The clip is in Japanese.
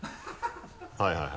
はいはい。